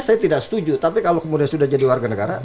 saya tidak setuju tapi kalau kemudian sudah jadi warga negara